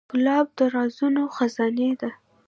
ګلاب د رازونو خزانې ده.